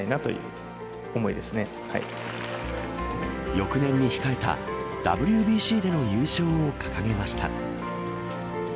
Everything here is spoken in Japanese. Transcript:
翌年に控えたＷＢＣでの優勝を掲げました。